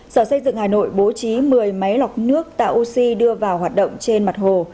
sở xây dựng hà nội bố trí một mươi máy lọc nước tạo oxy đưa vào hoạt động trên mặt hồ